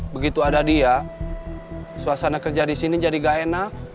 begitu ada dia suasana kerja di sini jadi gak enak